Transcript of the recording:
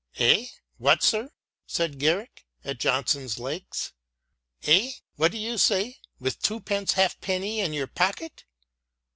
" Eh ! what, sir," said Garrick, at Johnson's legs, " eh ! what do you say, with twopence halfpenny in your podcet